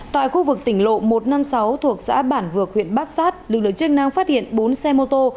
tại khu vực tỉnh lộ một trăm năm mươi sáu thuộc xã bản vược huyện bát sát lực lượng chức năng phát hiện bốn xe mô tô